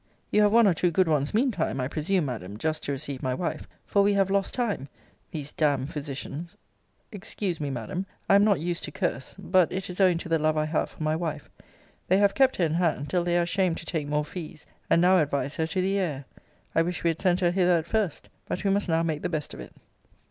You have one or two good ones mean time, I presume, Madam, just to receive my wife; for we have lost time these damn'd physicians excuse me, Madam, I am not used to curse; but it is owing to the love I have for my wife they have kept her in hand, till they are ashamed to take more fees, and now advise her to the air. I wish we had sent her hither at first. But we must now make the best of it.